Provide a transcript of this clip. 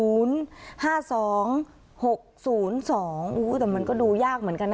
๒๐๕๒๖๐๒อู้วแต่มันก็ดูยากเหมือนกันนะ